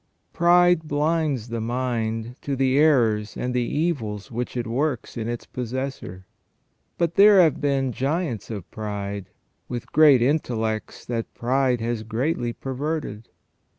Pride blinds the mind to the errors and the evils which it works in its possessor. But there have been giants of pride, with great intellects that pride has greatly perverted.